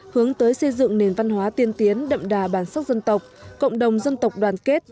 hướng tới xây dựng nền văn hóa tiên tiến đậm đà bản sắc dân tộc cộng đồng dân tộc đoàn kết